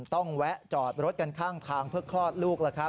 แวะจอดรถกันข้างทางเพื่อคลอดลูก